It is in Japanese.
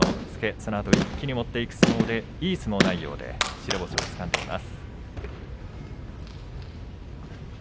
そのあと一気に持っていく相撲でいい相撲内容で白星をつかんでいます。